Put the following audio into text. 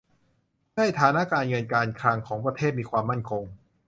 เพื่อให้ฐานะการเงินการคลังของประเทศมีความมั่นคง